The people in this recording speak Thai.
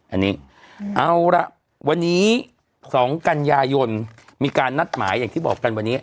อันนี้เอาละวันนี้๒กันยายนมีการนัดหมายอย่างที่บอกกันวันนี้